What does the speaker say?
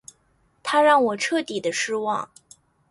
他让我彻底的失望